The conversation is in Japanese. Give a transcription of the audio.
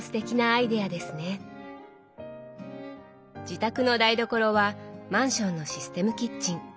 自宅の台所はマンションのシステムキッチン。